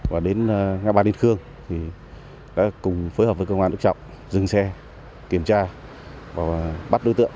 và đến ngã ba điện khương đã cùng phối hợp với công an nước trọng dừng xe kiểm tra và bắt đối tượng